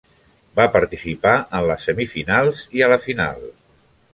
Va participar en les semifinals i a la final.